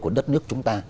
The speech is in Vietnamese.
của đất nước chúng ta